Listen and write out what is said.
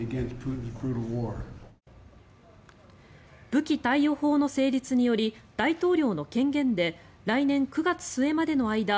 武器貸与法の成立により大統領の権限で来年９月末までの間